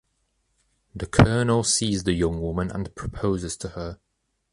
The colonel sees the young woman and proposes to her.